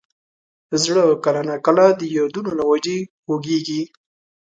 زړه کله نا کله د یادونو له وجې خوږېږي.